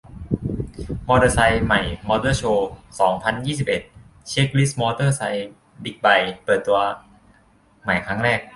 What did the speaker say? มอเตอร์ไซค์ใหม่มอเตอร์โชว์ สองพันยี่สิบเอ็ด เช็กลิสต์มอเตอร์ไซค์ บิ๊กไบค์ เปิดตัวใหม่ครั้งแรก